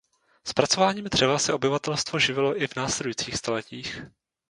Zpracováním dřeva se obyvatelstvo živilo i v následujících staletích.